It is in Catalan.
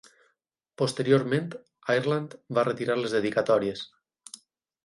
Posteriorment, Ireland va retirar les dedicatòries.